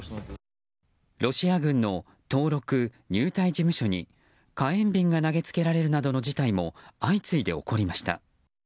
ロシア軍の登録入隊事務所に火炎瓶が投げつけられるなどの事態も相次いで起こりました。